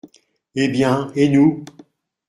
Eh bien, et nous ?